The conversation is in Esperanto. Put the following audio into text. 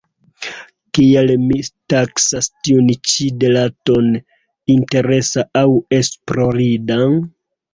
Kial mi taksas tiun ĉi detalon interesa aŭ esplorinda?